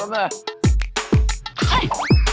เอากันสิ